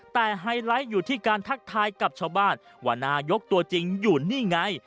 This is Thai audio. แต่ไฮไลท์อยู่ที่การทักทายกับชาวบ้านว่านายกตัวจริงอยู่นี่ไง